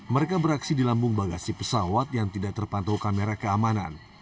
mereka beraksi di lambung bagasi pesawat yang tidak terpantau kamera keamanan